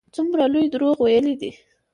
څومره لوی دروغ ویلي دي.